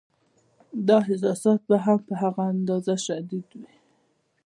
دا احساسات به هم په هغه اندازه شدید وي.